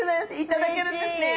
頂けるんですね。